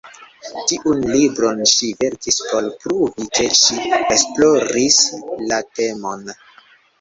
Tiun libron ŝi verkis por pruvi ke ŝi esploris la temon.